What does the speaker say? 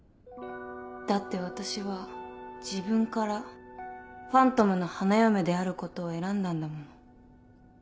だって私は自分からファントムの花嫁であることを選んだんだもの。